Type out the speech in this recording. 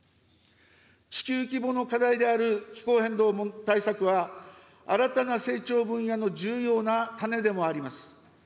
地球規模の課題である気候変動対策は、新たな成長分野の重要な種でもあります。